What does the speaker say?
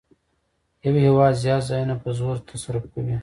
یو هېواد زیات ځایونه په زور تصرف کوي